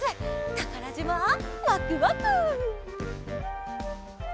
たからじまワクワク！